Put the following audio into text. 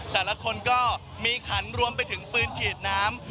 แต่ละคนก็มีขันรวมไปถึงปืนฉีดน้ำ